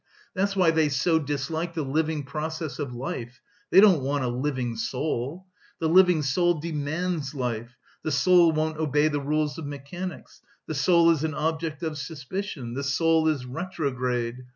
That's why they so dislike the living process of life; they don't want a living soul! The living soul demands life, the soul won't obey the rules of mechanics, the soul is an object of suspicion, the soul is retrograde!